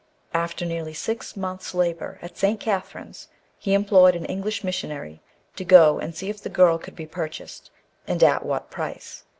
After nearly six months' labour at St. Catherine's, he employed an English missionary to go and see if the girl could be purchased, and at what price.